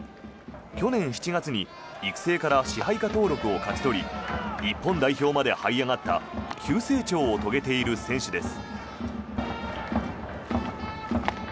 去年７月に育成から支配下登録を勝ち取り日本代表まではい上がった急成長を遂げている選手です。